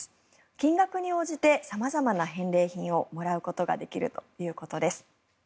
金額に応じて様々な返礼品をもらうことできるということです。